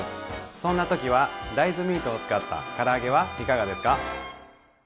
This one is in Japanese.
そんな時は大豆ミートを使ったから揚げはいかがですか？